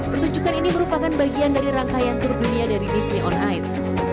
pertunjukan ini merupakan bagian dari rangkaian tour dunia dari disney on ice